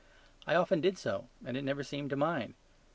I often did so; and it never seemed to mind.